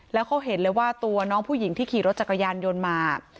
แล้วเขาเห็นเลยว่าตัวน้องผู้หญิงที่ขี่รถจักรยานยนต์มา